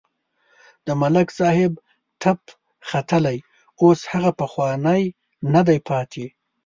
د ملک صاحب تپ ختلی اوس هغه پخوانی نه دی پاتې.